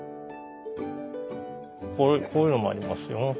こういうのもありますよ。